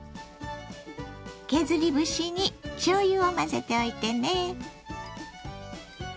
削り節にしょうゆを混ぜておいてね。